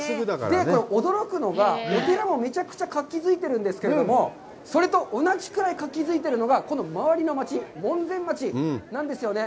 驚くのがお寺もめちゃくちゃ活気づいてるんですけど、それと同じぐらい活気づいているのが、この周りの町、門前町なんですよね。